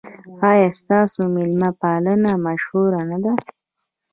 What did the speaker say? ایا ستاسو میلمه پالنه مشهوره نه ده؟